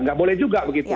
nggak boleh juga begitu